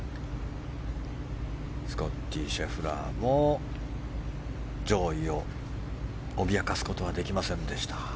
スコッティー・シェフラーも上位を脅かすことはできませんでした。